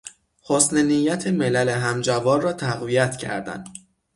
حسن نیت ملل همجوار را تقویت کردن